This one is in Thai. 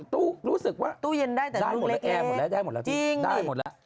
ตู้รู้สึกว่าได้หมดแล้วแอร์หมดแล้วได้หมดแล้ว